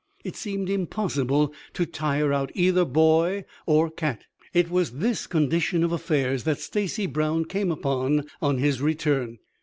It seemed impossible to tire out either boy or cat. It was this condition of affairs that Stacy Brown came upon on his return.